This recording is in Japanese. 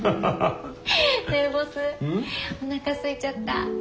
ねえボスおなかすいちゃった。